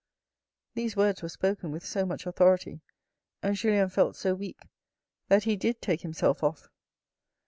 These words were spoken with so much authority, and Julien felt so weak, that he did take himself off.